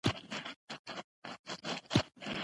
زه د مختلفو کلتورونو پیژندنې ته نه یم.